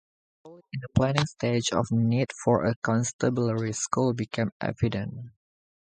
Early in the planning stage the need for a Constabulary School became evident.